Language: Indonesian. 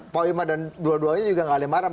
pak wima dan dua duanya juga gak ada yang marah